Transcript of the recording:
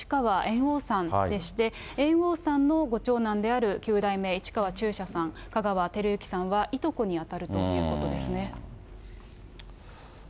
猿之助さんの伯父が市川猿翁さんでして、猿翁さんの後長男である九代目市川中車さん、香川照之さんはいとこにあたるということですね。